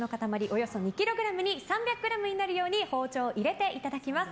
およそ２ｋｇに３００ｇになるように包丁を入れていただきます。